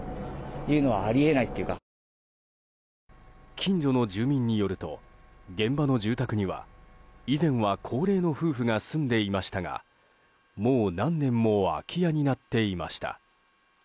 近所の住民によると現場の住宅には以前は高齢の夫婦が住んでいましたがもう何年も空き家になっていました。